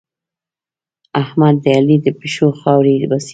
احمد د علي له پښو خاورې باسي.